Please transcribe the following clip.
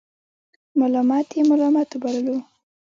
ملامت یې ملامت وبللو.